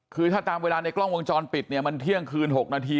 คือถ้าตามเวลาในกล้องวงจรปิดเนี่ยมันเที่ยงคืน๖นาที